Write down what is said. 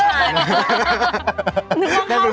เดูนข้างทาง